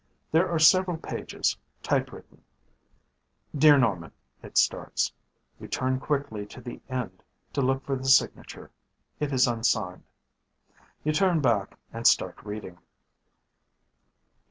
There are several pages, typewritten. Dear Norman, it starts. You turn quickly to the end to look for the signature. It is unsigned. You turn back and start reading.